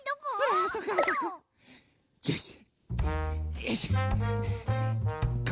よし。